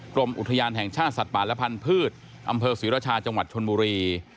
กรมอุทยานแห่งชาติสัตว์ป่าและพันธุ์อำเภอศรีรชาจังหวัดชนบุรี